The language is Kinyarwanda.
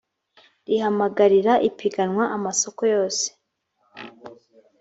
rihamagarira ipiganwa amasoko yose